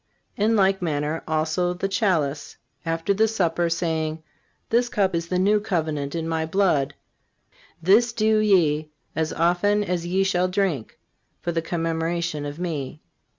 In like manner also the chalice, after the supper, saying: This cup is the New Covenant in My blood. This do ye, as often as ye shall drink, for the commemoration of Me.